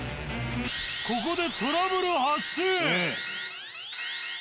ここで。